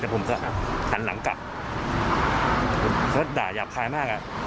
แต่ผมก็หันหลังกลับเขาด่ายาบคายมากอ่ะ